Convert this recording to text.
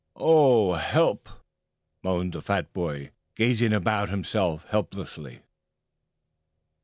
"Oh, help!" moaned the fat boy, gazing about him helplessly.